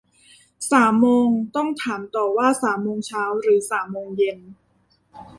สามโมง ต้องถามต่อว่าสามโมงเช้าหรือสามโมงเย็น